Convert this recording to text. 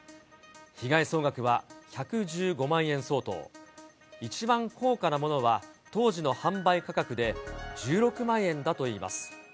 被害総額は１１５万円相当、一番高価なものは当時の販売価格で１６万円だといいます。